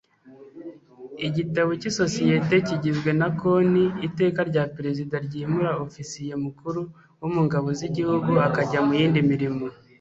igitabo cy isosiyete kigizwe na konti Iteka rya Perezida ryimura Ofisiye Mukuru wo mu Ngabo z Igihugu akajya mu yindi mirimo